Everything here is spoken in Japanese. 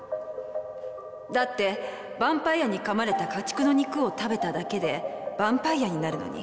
だってバンパイアに噛まれた家畜の肉を食べただけでバンパイアになるのに